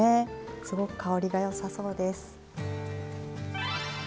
すごく香りがよさそうです。